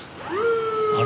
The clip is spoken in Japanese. あれ？